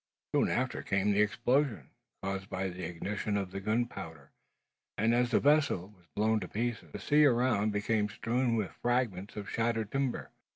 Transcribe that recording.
Soon after came the explosion, caused by the ignition of the gunpowder; and as the vessel was blown to pieces, the sea around became strewed with fragments of shattered timber, cabin furniture, sea chests, and the like.